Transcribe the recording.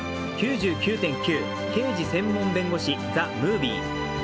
「９９．９−刑事専門弁護士−ＴＨＥＭＯＶＩＥ」。